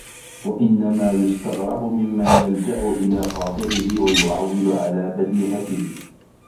وَإِنَّمَا يُسْتَغْرَبُ مِمَّنْ يَلْجَأُ إلَى خَاطِرِهِ وَيُعَوِّلُ عَلَى بَدِيهَتِهِ